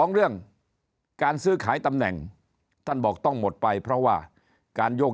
เรื่องการซื้อขายตำแหน่งท่านบอกต้องหมดไปเพราะว่าการโยก